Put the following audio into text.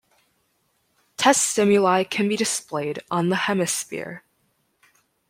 Test stimuli can be displayed on the hemisphere.